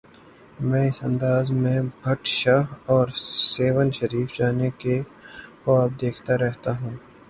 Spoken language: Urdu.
میں اس انداز میں بھٹ شاہ اور سہون شریف جانے کے خواب دیکھتا رہتا ہوں۔